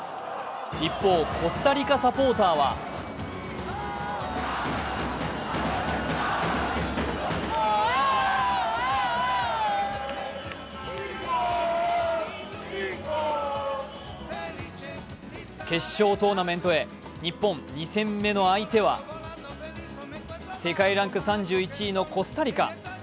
一方、コスタリカサポーターは決勝トーナメントへ、日本、２戦目の相手は世界ランク３１位のコスタリカ。